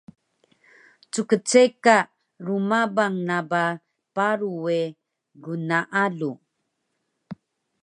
Ckceka rmabang na ba paru we gnaalu